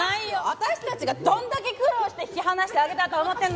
私たちがどんだけ苦労して引き離してあげたと思ってんの？